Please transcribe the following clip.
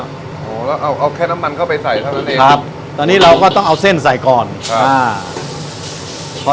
โอ้โหแล้วเอาเอาแค่น้ำมันเข้าไปใส่เท่านั้นเองครับตอนนี้เราก็ต้องเอาเส้นใส่ก่อนครับอ่า